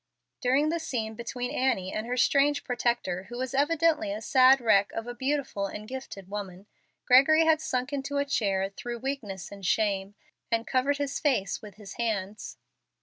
During the scene between Annie and her strange protector, who was evidently a sad wreck of a beautiful and gifted woman, Gregory had sunk into a chair through weakness and shame, and covered his face with his hands.